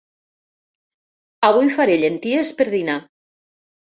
Avui faré llenties per dinar.